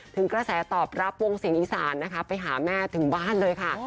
กระแสตอบรับวงเสียงอีสานนะคะไปหาแม่ถึงบ้านเลยค่ะ